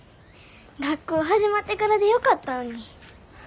学校始まってからでよかったのに。